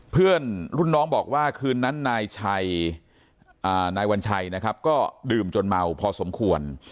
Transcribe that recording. เพื่อนรุ่นน้องบอกว่าคืนนั้นนายวัญชัยนะครับก็ดื่มจนเมาพอสมควร